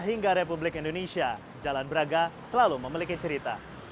hingga republik indonesia jalan braga selalu memiliki cerita